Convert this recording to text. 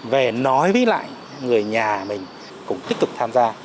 về nói với lại người nhà mình cũng tích cực tham gia